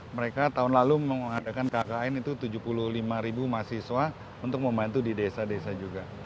mereka tahun lalu mengadakan kkn itu tujuh puluh lima ribu mahasiswa untuk membantu di desa desa juga